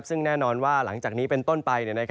ซึ่งแน่นอนว่าหลังจากนี้เป็นต้นไป